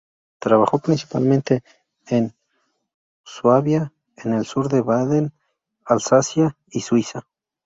Trabajó principalmente en Suabia, en el sur de Baden, Alsacia y Suiza.